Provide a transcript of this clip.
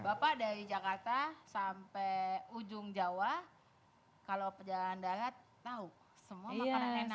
bapak dari jakarta sampai ujung jawa kalau perjalanan darat tahu semua makanan enak